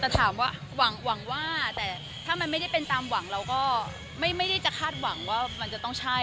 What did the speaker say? แต่ถามว่าหวังว่าแต่ถ้ามันไม่ได้เป็นตามหวังเราก็ไม่ได้จะคาดหวังว่ามันจะต้องใช่